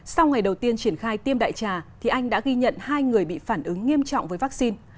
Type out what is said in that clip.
sau ngày đầu tiên triển khai tiêm đại trà thì anh đã ghi nhận hai người bị phản ứng nghiêm trọng với vaccine